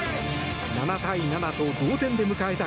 ７対７と同点で迎えた